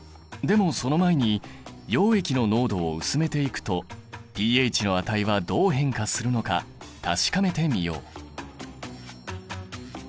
でもその前に溶液の濃度を薄めていくとｐＨの値はどう変化するのか確かめてみよう。